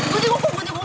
gue di guguk gue di guguk